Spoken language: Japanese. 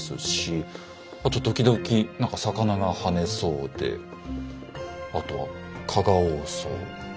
あと時々何か魚が跳ねそうであとは蚊が多そう。